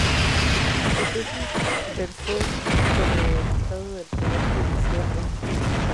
Su tesis versó sobre ""El Estado del Poder Judicial en Chile"".